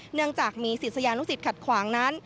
เนื่องจากมีศิษยานุสิตขัดขวางนั้น